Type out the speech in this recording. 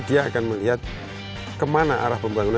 dia akan melihat kemana arah pembangunan